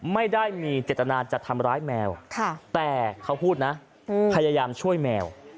ไม่ได้มีเจตนาจะทำร้ายแมวแต่เขาพูดนะพยายามช่วยแมว